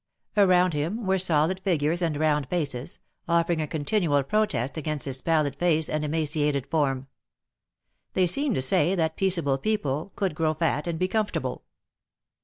Around him were solid figures and round faces, offering a continual protest against his pallid face and emaciated form. They seemed to say that peaceable people could grow fat and be comfortable.